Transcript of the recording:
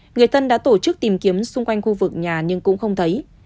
người thân đã tổ chức tìm kiếm xung quanh khu vực nhà nhưng cũng không thấy